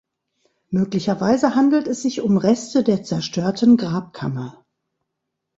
Möglicherweise handelt es sich um Reste der zerstörten Grabkammer.